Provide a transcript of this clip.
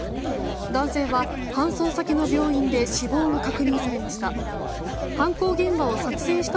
男性は搬送先の病院で死亡が確認されました。